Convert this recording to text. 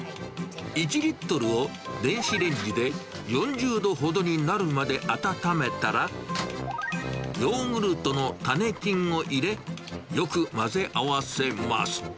１リットルを電子レンジで４０度ほどになるまで温めたら、ヨーグルトの種菌を入れ、よく混ぜ合わせます。